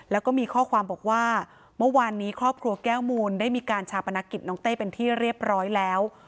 แล้วก็มีข้อความบอกว่าเมื่อวานนี้ครอบครัวแก้วมูลได้มีการชาปนกิจน้องเต้เป็นที่เรียบร้อยแล้ว